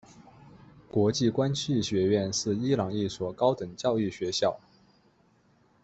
国际关系学院是伊朗一所高等教育学校。